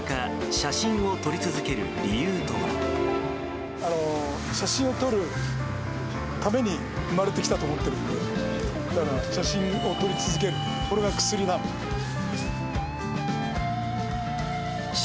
写真を撮るために生まれてきたと思ってるので、だから写真を撮り続ける、これが薬なの。